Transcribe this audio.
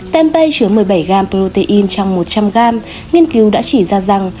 tempeh chứa một mươi bảy g protein trong một trăm linh g nghiên cứu đã chỉ ra rằng